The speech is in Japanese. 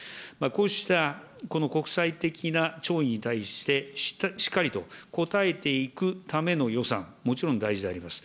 こうしたこの国際的な弔意に対して、しっかりと応えていくための予算、もちろん大事であります。